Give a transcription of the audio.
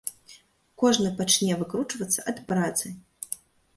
Кожны пачне выкручвацца ад працы.